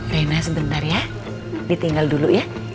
gue nunggu sebrangnya primer kepadanya udah disuriin